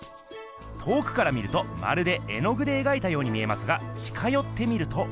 遠くから見るとまるで絵の具でえがいたように見えますが近よって見ると。